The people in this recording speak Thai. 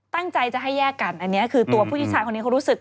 ตั้งใจจะให้แยกกันอันนี้คือตัวผู้ชายคนนี้เขารู้สึก